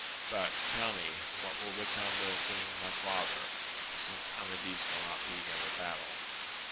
But tell me, what will become of the king my father, since Amadis will not be in the battle